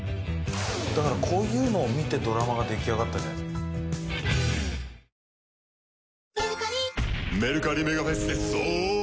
だからこういうのを見てドラマが出来上がったんじゃないですか？